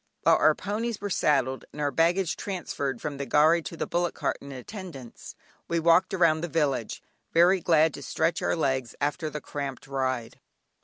While our ponies were saddled, and our baggage transferred from the gharry to the bullock cart in attendance, we walked round the village, very glad to stretch our legs after the cramped ride.